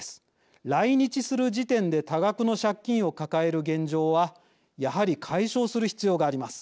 来日する時点で多額の借金を抱える現状はやはり解消する必要があります。